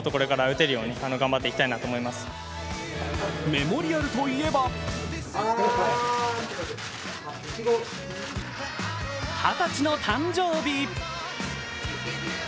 メモリアルといえば二十歳の誕生日。